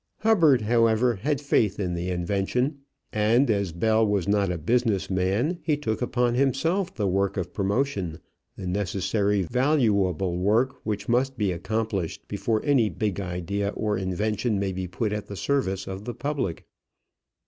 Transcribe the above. Hubbard, however, had faith in the invention, and as Bell was not a business man, he took upon himself the work of promotion the necessary, valuable work which must be accomplished before any big idea or invention may be put at the service of the public.